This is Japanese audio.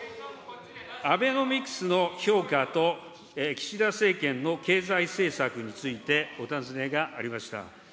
アベノミクスの評価と、岸田政権の経済政策についてお尋ねがありました。